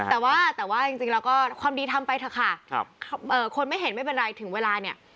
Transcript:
แต่ว่าแต่ว่าจริงแล้วก็ความดีทำไปเถอะค่ะคนไม่เห็นไม่เป็นไรถึงเวลาเนี่ย